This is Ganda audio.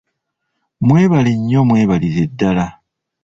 Mwebale nnyo mwebalire ddala.